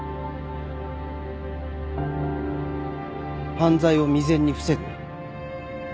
犯罪を未然に防ぐ